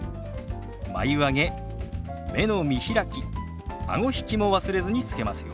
眉上げ目の見開きあご引きも忘れずにつけますよ。